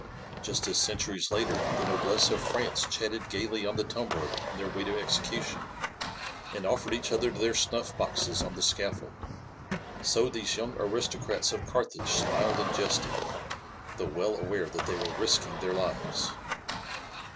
Just as centuries later the noblesse of France chatted gaily on the tumbril on their way to execution, and offered each other their snuff boxes on the scaffold, so these young aristocrats of Carthage smiled and jested, though well aware that they were risking their lives.